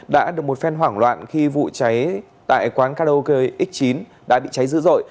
đã được một phen hoảng loạn khi vụ cháy tại quán karaoke x chín đã bị cháy dữ dội